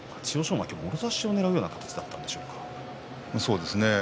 馬は今日もろ差しをねらうような形だったんでしょうそうですね